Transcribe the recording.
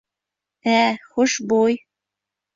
Ә, хушбуй!